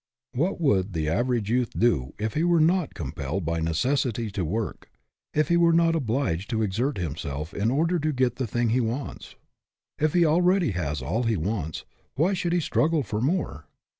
What would the average youth do if he were not compelled by necessity to work if he were not obliged to exert himself in order to get the thing he wants? If he already has all he wants, why should he struggle for more?